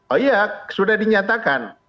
oh iya sudah dinyatakan